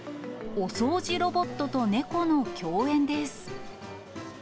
お掃除ロボットと猫の共演です。